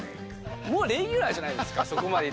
もうレギュラーじゃないですか？